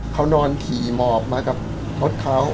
เขานอนขี่หมอบมากับรถเขา